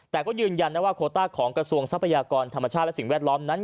แต่ก็ยืนยันนะว่าโคต้าของกระทรวงทรัพยากรธรรมชาติและสิ่งแวดล้อมนั้น